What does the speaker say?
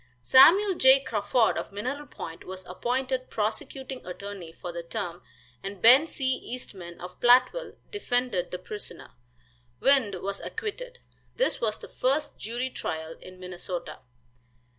Samuel J. Crawford of Mineral Point was appointed prosecuting attorney for the term, and Ben C. Eastman of Plattville defended the prisoner. "Wind" was acquitted. This was the first jury trial in Minnesota.